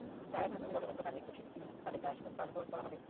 যাঁরা এখনো জমি বন্দোবস্ত পাননি খুব শিগগিরই তাঁদেরটাও হস্তান্তর করা হবে।